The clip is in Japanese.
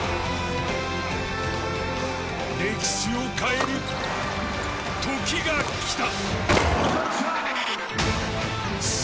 歴史を変える、時が来た。